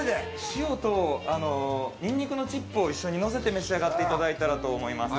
塩と、ニンニクのチップを一緒にのせて召し上がっていただいたらと思います。